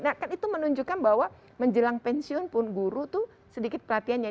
nah kan itu menunjukkan bahwa menjelang pensiun pun guru itu sedikit pelatihannya